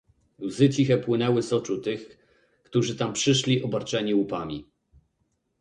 "Łzy ciche płynęły z oczu tych, którzy tam przyszli obarczeni łupami."